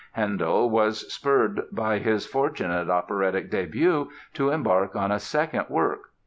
Handel was spurred by his fortunate operatic debut to embark on a second work.